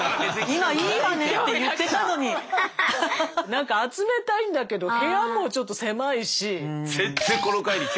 なんか集めたいんだけど部屋もちょっと狭いし。